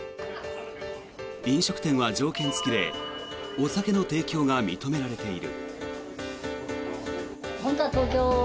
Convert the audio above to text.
飲食店は条件付きでお酒の提供が認められている。